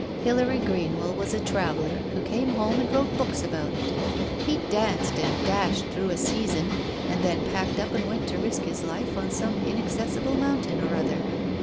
Hilary Greenwell was a traveller, who came home and wrote books about it. He danced and dashed through a season, and then packed up and went to risk his life on some inaccessible mountain or other.